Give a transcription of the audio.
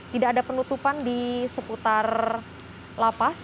tidak ada penutupan di seputar lapas